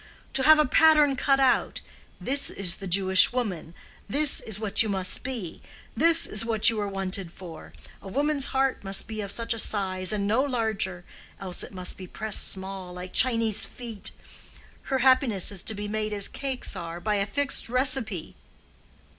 To have a pattern cut out—'this is the Jewish woman; this is what you must be; this is what you are wanted for; a woman's heart must be of such a size and no larger, else it must be pressed small, like Chinese feet; her happiness is to be made as cakes are, by a fixed receipt.